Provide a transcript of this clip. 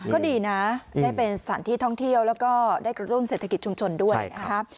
ก็ดีนะได้เป็นสถานที่ท่องเที่ยวแล้วก็ได้กระตุ้นเศรษฐกิจชุมชนด้วยนะคะ